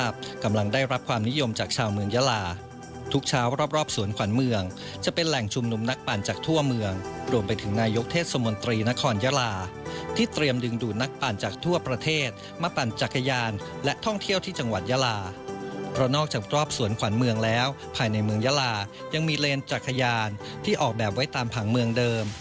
ภายในเมืองยาลายังมีเลนจักรยานที่ออกแบบไว้ตามผังเมืองเดิม